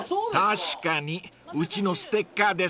［確かにうちのステッカーですね］